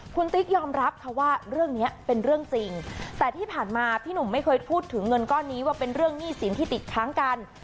คุณติ๊กยอมรับค่ะว่าเรื่องนี้เป็นเรื่องจริงแต่ที่ผ่านมาพี่หนุ่มไม่เคยพูดถึงเงินก้อนนี้ว่าเป็นเรื่องหนี้สินที่ติดค้างกัน